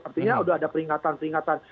artinya sudah ada peringatan peringatan